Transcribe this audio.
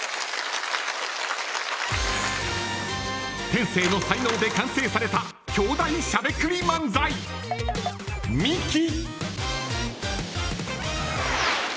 天性の才能で完成された兄弟しゃべくり漫才ミキ。